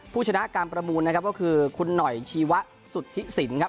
ผู้ชนะการประมูลนะครับก็คือคุณหน่อยชีวะสุทธิสินครับ